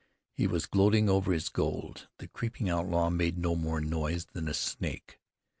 He was gloating over his gold. The creeping outlaw made no more noise than a snake.